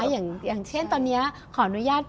อย่างเช่นตอนนี้ขออนุญาต